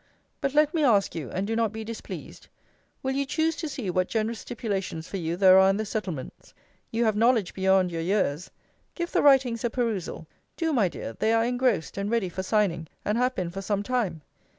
But let me ask you, and do not be displeased, Will you choose to see what generous stipulations for you there are in the settlements? You have knowledge beyond your years give the writings a perusal: do, my dear: they are engrossed, and ready for signing, and have been for some time.